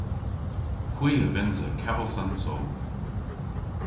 Hwi a vynnsa kavos an soodh!